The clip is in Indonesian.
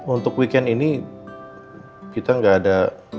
untuk weekend ini kita nggak ada